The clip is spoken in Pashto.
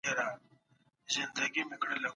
څلورم، پنځم هم نه پېژنو.